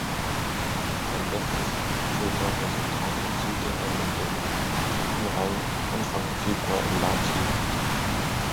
Sein bestes Saisonresultat erzielte er mit dem siebten Rang Anfang Februar in Lahti.